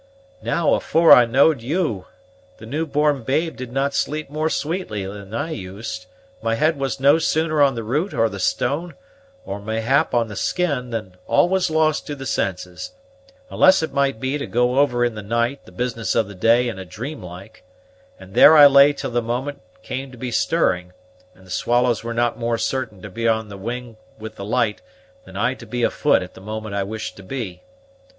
Now, afore I knowed you, the new born babe did not sleep more sweetly than I used; my head was no sooner on the root, or the stone, or mayhap on the skin, than all was lost to the senses, unless it might be to go over in the night the business of the day in a dream like; and there I lay till the moment came to be stirring, and the swallows were not more certain to be on the wing with the light, than I to be afoot at the moment I wished to be.